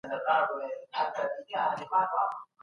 ايا فقر يوه طبيعي پديده ده؟